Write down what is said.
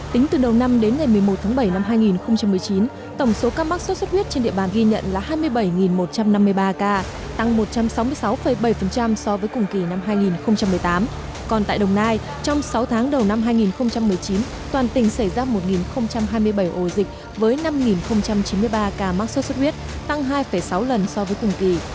toàn tỉnh xảy ra một hai mươi bảy ổ dịch với năm chín mươi ba ca mắc xuất xuất huyết tăng hai sáu lần so với từng kỳ